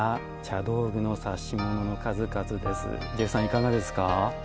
ジェフさんいかがですか？